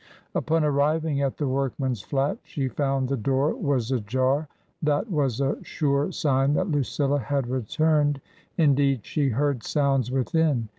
Upon arriving at the workman's flat, she found the door was ajar; that was a sure sign that Lucilla had returned — ^indeed, she heard sounds within.